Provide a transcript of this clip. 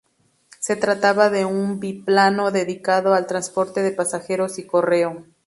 Se trataba de un biplano dedicado al transporte de pasajeros y correo.